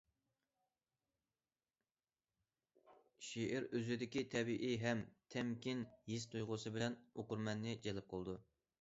شېئىر ئۆزىدىكى تەبىئىي ھەم تەمكىن ھېس- تۇيغۇسى بىلەن ئوقۇرمەننى جەلپ قىلىدۇ.